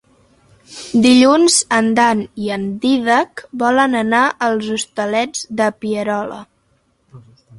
Dilluns en Dan i en Dídac volen anar als Hostalets de Pierola.